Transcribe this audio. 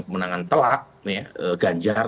kemenangan telat ganjar